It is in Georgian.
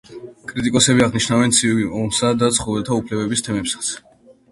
კრიტიკოსები აღნიშნავენ ცივი ომის და ცხოველთა უფლებების თემებსაც.